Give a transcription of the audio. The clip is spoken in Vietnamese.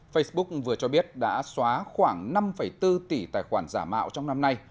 facebook vừa cho biết đã xóa khoảng năm bốn tỷ tài khoản giả mạo trong năm nay